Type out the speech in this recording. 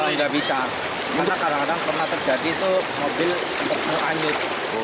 tidak bisa karena kadang kadang pernah terjadi itu mobil anjit